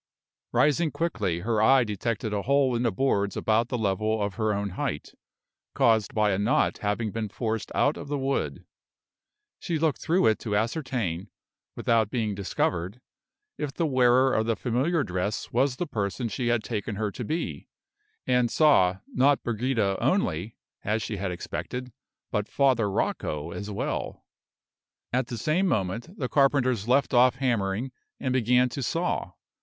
Rising quickly, her eye detected a hole in the boards about the level of her own height, caused by a knot having been forced out of the wood. She looked through it to ascertain, without being discovered, if the wearer of the familiar dress was the person she had taken her to be; and saw, not Brigida only, as she had expected, but Father Rocco as well. At the same moment the carpenters left off hammering and began to saw.